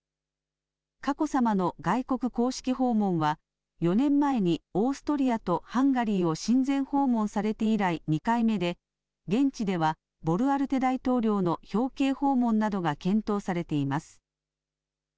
佳子さまの外国公式訪問は、４年前にオーストリアとハンガリーを親善訪問されて以来２回目で、現地ではボルアルテ大統領の表敬訪問などが検討されています。